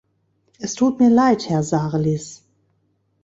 Es tut mir leid, Herr Sarlis.